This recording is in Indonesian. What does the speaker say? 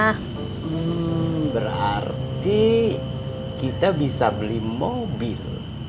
hmm berarti kita bisa beli mobil